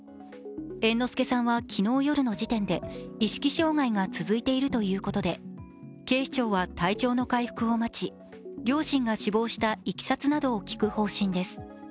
猿之助さんは昨日夜の時点で意識障害が続いているということで警視庁は体調の回復を待ち、両親が死亡したいきさつなどを聞く方針です。